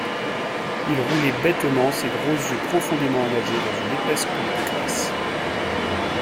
Il roulait bêtement ses gros yeux profondément engagés dans une épaisse couche de graisse.